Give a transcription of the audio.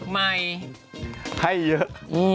ไมค์ให้เยอะ